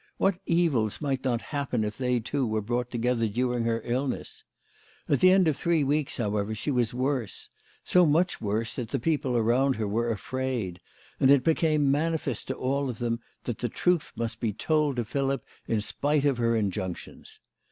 What evils might not happen if they two were brought together during her illness ? At the end of three weeks, however, she was worse so much worse that the people around her were afraid; and it became manifest to all of them that the truth must be told to Philip in spite of her injunctions.